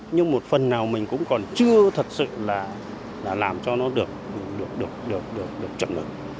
nhưng một phần nào mình cũng còn chưa thật sự là làm cho nó được chậm được